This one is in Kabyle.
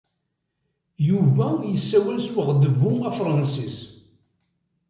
Yuba yessawal s weɣdebbu afṛensis.